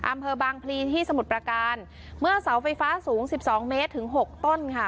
อำเภอบางพลีที่สมุทรประการเมื่อเสาไฟฟ้าสูงสิบสองเมตรถึงหกต้นค่ะ